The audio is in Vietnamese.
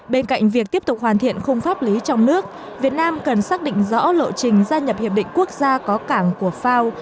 bên cạnh việc tiếp tục hoàn thiện khung pháp lý trong nước việt nam cần xác định rõ lộ trình gia nhập hiệp định quốc gia có cảng của fao